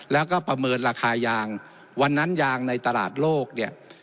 แล้วก็ประเมินราคายางวันนั้นยางในตลาดโลกเนี่ย